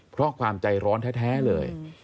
เพราะความใจร้อนแท้เลย